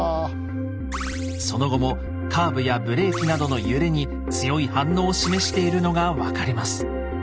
その後もカーブやブレーキなどの揺れに強い反応を示しているのが分かります。